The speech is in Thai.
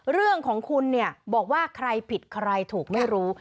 เรื่องของคุณเนี่ยบอกว่าใครผิดใครถูกไม่รู้